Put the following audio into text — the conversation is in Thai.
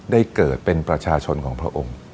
ได้เกิดเป็นประชาชนของพระองค์